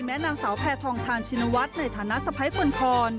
นางสาวแพทองทานชินวัฒน์ในฐานะสะพ้ายปนพร